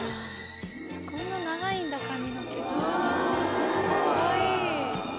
・こんな長いんだ髪の毛・かわいい。